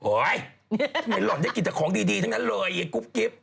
โอ๊ยไม่หล่อดมากินแต่ของดีจังนั้นเลยครับกรุ๊ปกริ๊ป